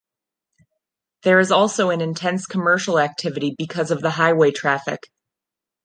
There is also an intense commercial activity because of the highway traffic.